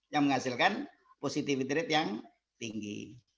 yang menghasilkan positivity rate yang tinggi